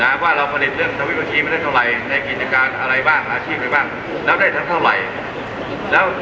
ว่าความเราผลิตเรื่องทวิบาทีสาวไหลในกิจกรรมแบบไหนอาชีพอะไรบ้างแล้วได้เข้าไหล